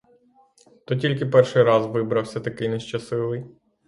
То тільки перший раз вибрався такий нещасливий.